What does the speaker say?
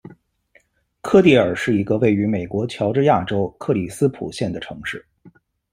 科迪尔是一个位于美国乔治亚州克里斯普县的城市。